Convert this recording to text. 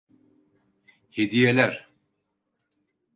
Hediyeler!